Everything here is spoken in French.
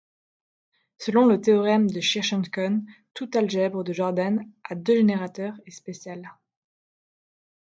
Selon le théorème de Shirshov-Cohn, toute algèbre de Jordan à deux générateurs est spéciale.